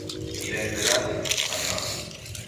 Identidade española.